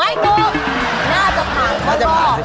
ไม่ตกน่าจะผ่านรอบ